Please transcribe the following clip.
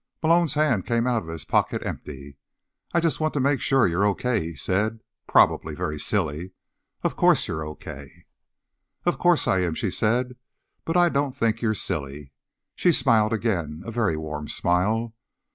Malone's hand came out of his pocket empty. "I just want to make sure you're okay," he said. "Probably very silly. Of course you're okay." "Of course I am," she said. "But I don't think you're silly." She smiled again, a very warm smile.